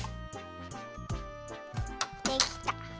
できた！